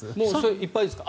いっぱいですか？